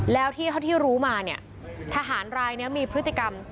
แล้วที่รู้มาเนี่ยทหารรายเนี่ยมีพฤติกรรม